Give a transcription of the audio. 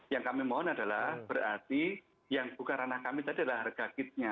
yang kami mohon adalah berarti yang buka ranah kami tadi adalah harga kitnya